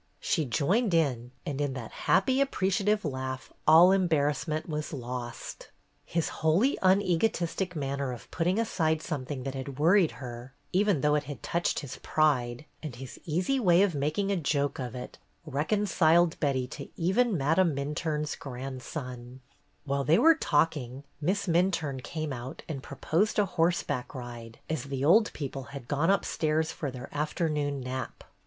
She joined in, and in that happy, appreciative laugh all embarrassment was lost. His wholly unegotistic manner of putting aside something that had worried her, even though it had touched his pride, and his easy way of making a joke of it, reconciled Betty to even Madame Minturne's grandson. A GAY LUNCHEON 131 While they were talking, Miss Minturne came out and proposed a horseback ride, as the old people had gone upstairs for their afternoon nap.